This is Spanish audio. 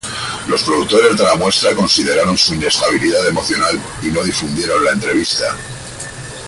Los productores de la muestra consideraron su inestabilidad emocional y no difundieron la entrevista.